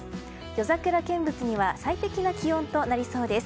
夜桜見物には最適な気温となりそうです。